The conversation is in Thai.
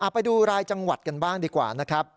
ไปดูรายจังหวัดกันบ้างดีกว่านะครับ